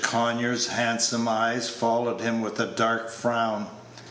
Conyers' handsome eyes followed him with a dark frown.